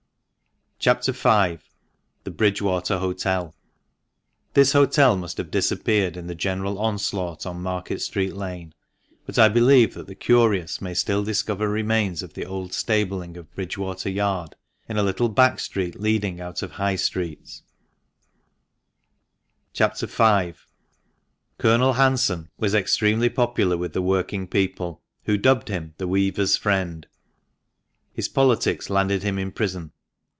CHAP. V.— THE BRIDGEWATER HOTEL.— This hotel must have disappeared in the general onslaught on Market Street Lane, but I believe that the curious may still discover remains of the old stabling of Bridgewater Yard in a little back street leading out of High Street. CHAP. V. — COLONEL HANSON was extremely popular with the working people, who dubbed him " the weavers' friend." His politics landed him in prison.